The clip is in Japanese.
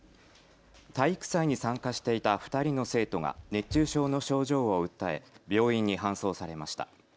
体育祭に参加していた２人の生徒が熱中症の症状を訴え病院に搬送されました。